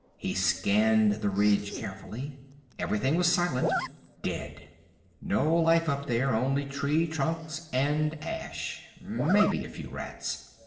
He scanned the ridge carefully. Everything was silent. Dead. No life up there, only tree trunks and ash. Maybe a few rats.